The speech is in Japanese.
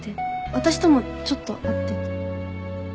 私ともちょっと会ってて。